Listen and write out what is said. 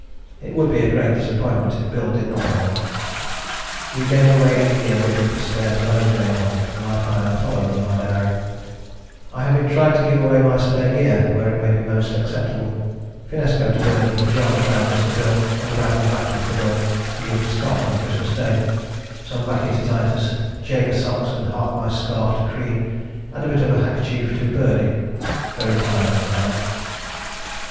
It would be a great disappointment if Bill did not go on." We gave away any gear which we could spare to those going on, and I find the following in my diary: "I have been trying to give away my spare gear where it may be most acceptable: finnesko to Birdie, pyjama trousers to Bill, and a bag of baccy for Bill to give Scott on Christmas Day, some baccy to Titus, jaeger socks and half my scarf to Crean, and a bit of handkerchief to Birdie. Very tired to night."